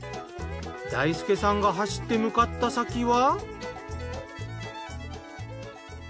大輔さんが走って向かった先は？